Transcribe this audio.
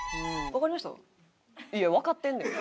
いやわかってんねん。